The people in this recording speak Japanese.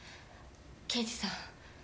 刑事さん